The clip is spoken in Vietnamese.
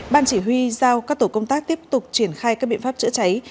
ban chỉ huy giao các tổ công tác tiếp tục triển khai các biện pháp chữa cháy